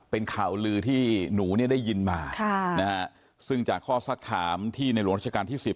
เป็นข่าวลือที่หนูเนี่ยได้ยินมาซึ่งจากข้อสักถามที่ในหลวงราชการที่๑๐